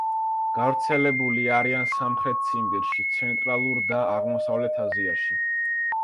გავრცელებული არიან სამხრეთ ციმბირში, ცენტრალურ და აღმოსავლეთ აზიაში.